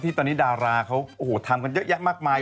ตอนนี้ดาราเขาโอ้โหทำกันเยอะแยะมากมาย